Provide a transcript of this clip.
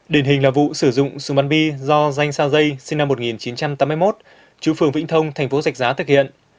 điển hình là vụ sử dụng súng bắn bi do danh sao dây sinh năm một nghìn chín trăm tám mươi một chú phường vĩnh thông thành phố sạch giá thực hiện